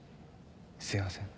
すいません。